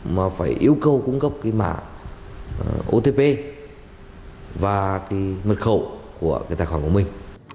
mà phải yêu cầu cung cấp mã otp và mật khẩu của tài khoản của mình